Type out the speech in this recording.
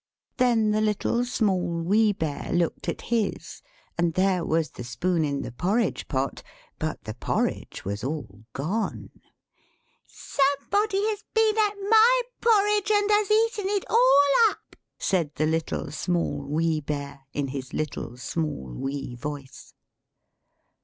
Then the Little, Small, Wee Bear looked, and there was the spoon in his porridge pot; but the porridge was all gone. "=Somebody has been at my porridge and has eaten it all up!=" said the Little, Small, Wee Bear, in his little, small, wee voice.